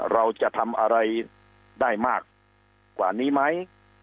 เราจะทำอะไรได้มากกว่านี้ไหม